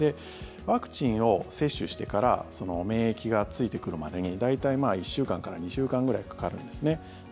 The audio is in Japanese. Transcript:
ワクチンを接種してから免疫がついてくるまでに大体１週間から２週間くらいかかるんですね。